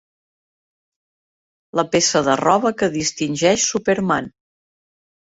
La peça de roba que distingeix Superman.